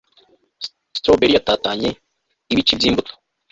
strawberry yatatanye, ibice by'imbuto